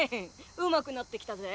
うまくなってきたぜ。